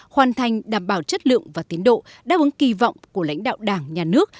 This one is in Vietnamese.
hoàn thành đảm bảo chất lượng và tiến độ đáp ứng kỳ vọng của lãnh đạo đảng nhà nước